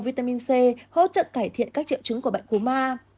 vitamin c hỗ trợ cải thiện các triệu chứng của bệnh cú ma